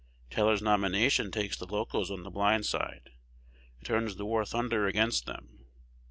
Taylor's nomination takes the Locos on the blind side. It turns the war thunder against them.